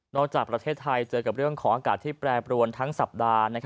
จากประเทศไทยเจอกับเรื่องของอากาศที่แปรปรวนทั้งสัปดาห์